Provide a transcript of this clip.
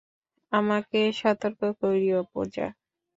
আমাকে সতর্ক করিও, পূজা।